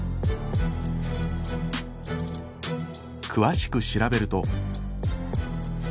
詳しく調べると。